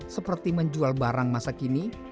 seperti menjual barang masa kini